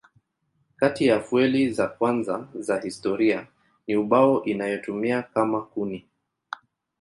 Kati ya fueli za kwanza za historia ni ubao inayotumiwa kama kuni.